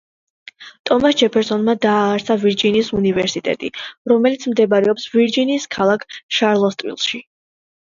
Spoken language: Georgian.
ტომას ჯეფერსონმა დააარსა ვირჯინიის უნივერსიტეტი, რომელიც მდებარეობს ვირჯინიის ქალაქ შარლოტსვილში.